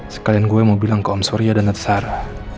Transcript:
sekalian gue mau bilang ke om surya dan natsara